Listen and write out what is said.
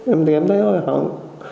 em muốn em thấy hơi hận